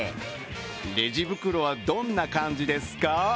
レジ袋はどんな感じですか？